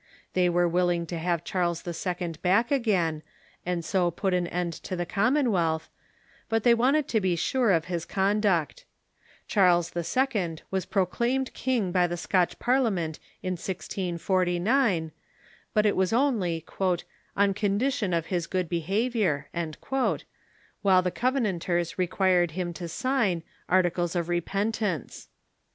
They were willing to have Charles II. back again, and so put an end to the Common wealth, but they wanted to be sure of his conduct. Charles II, was proclaimed king by the Scotch Parliament in 1649, but it was only "on condition of his good behavior," while the Covenanters required him to sign " articles of repentance."